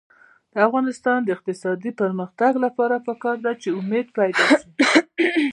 د افغانستان د اقتصادي پرمختګ لپاره پکار ده چې امید پیدا شي.